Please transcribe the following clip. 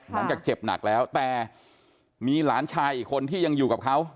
หลังจากเจ็บหนักแล้วแต่มีหลานชายอีกคนที่ยังอยู่กับเขา